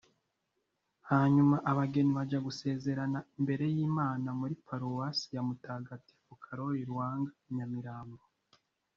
hanyuma abageni bajya gusezerana imbere y’Imana muri Paruwasi ya Mutagatifu Karoli Lwanga i Nyamirambo